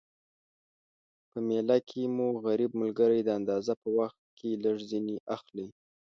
په میله کی مو غریب ملګري د انداز په وخت کي لږ ځیني اخلٸ